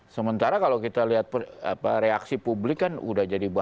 sementara kalau kita lihat reaksi publik kan sudah jadi banyak